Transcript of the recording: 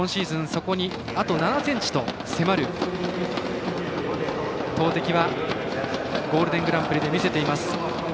そこにあと７ｃｍと迫る投てきはゴールデングランプリで見せています。